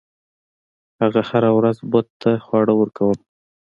هغه هره ورځ بت ته خواړه ورکول.